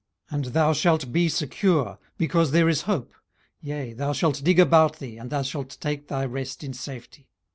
18:011:018 And thou shalt be secure, because there is hope; yea, thou shalt dig about thee, and thou shalt take thy rest in safety.